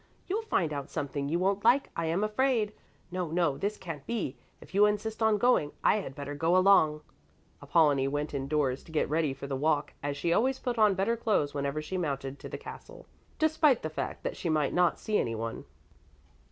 You'll find out something you won't like, I am afraid. No, no, this can't be. If you insist on going, I had better go along." Apollonie went indoors to get ready for the walk, as she always put on better clothes whenever she mounted to the castle, despite the fact that she might not see anyone.